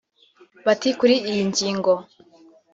Bati “Kuri iyi ngingo